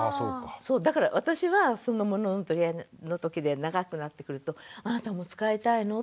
だから私はそのものの取り合いのときで長くなってくると「あなたも使いたいの？」